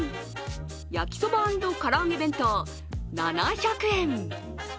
焼きそば＆唐揚げ弁当７００円。